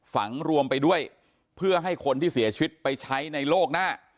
ฝังรวมไปด้วยเพื่อให้คนที่เสียชีวิตไปใช้ในโลกหน้า